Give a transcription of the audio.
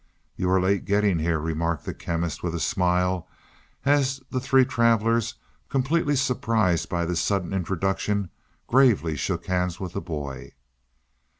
"You are late getting here," remarked the Chemist with a smile, as the three travelers, completely surprised by this sudden introduction, gravely shook hands with the boy.